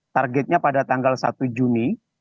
targetnya pada tanggal satu juni